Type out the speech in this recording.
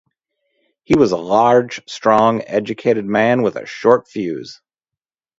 He was a large, strong, educated man with a short fuse.